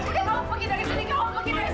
kamu pergi dari sini kamu pergi dari sini